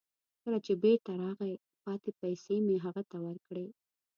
کله چې بیرته راغی، پاتې پیسې مې هغه ته ورکړې.